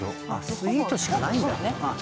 スイートしかないんだ。